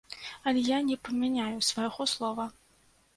Але я не памяняю свайго слова.